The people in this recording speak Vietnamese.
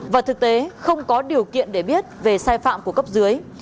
và thực tế không có điều kiện để biết về sai phạm của cấp dưới